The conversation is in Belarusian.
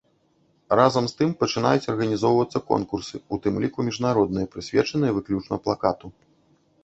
Разам з тым, пачынаюць арганізоўвацца конкурсы, у тым ліку міжнародныя, прысвечаныя выключна плакату.